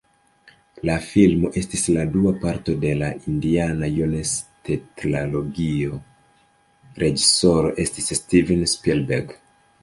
La filmo estis la dua parto de la Indiana-Jones-tetralogio, reĝisoro estis Steven Spielberg.